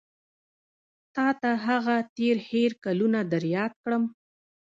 تا ته هغه تېر هېر کلونه در یاد کړم.